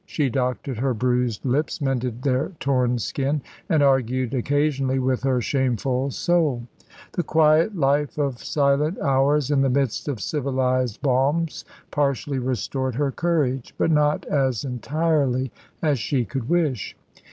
She doctored her bruised lips, mended their torn skin, and argued occasionally with her shameful soul. The quiet life of silent hours in the midst of civilised balms partially restored her courage, but not as entirely as she could wish.